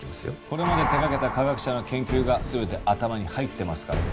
これまで手掛けた科学者の研究が全て頭に入ってますからね。